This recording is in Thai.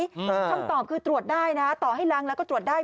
คำตอบคือตรวจได้นะต่อให้ล้างแล้วก็ตรวจได้